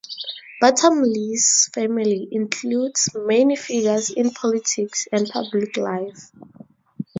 Bottomley's family includes many figures in politics and public life.